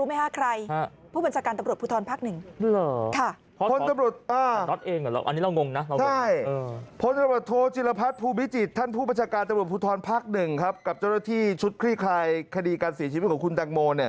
มันไม่ใช่ทางด้านของเจ้าอ